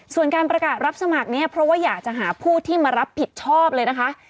ส่วนการประกาศรับสมัครเนี่ยเพราะว่าอยากจะหาผู้ที่มารับผิดชอบเลยนะคะ